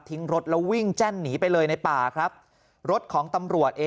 รถแล้ววิ่งแจ้นหนีไปเลยในป่าครับรถของตำรวจเอ